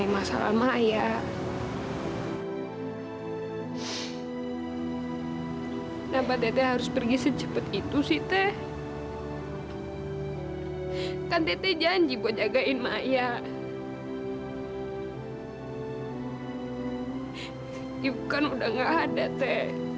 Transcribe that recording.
maya udah gak ada artinya tante